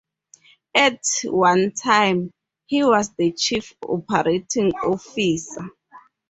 At one time, he was the chief operating officer.